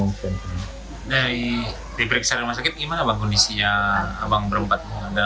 dari diperiksa rumah sakit bagaimana kondisinya